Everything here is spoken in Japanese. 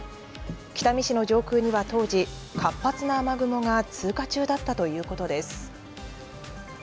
北見市の上空には当時、活発な雨雲が通過中だったということです。